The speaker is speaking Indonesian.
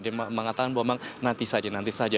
dia mengatakan bahwa memang nanti saja nanti saja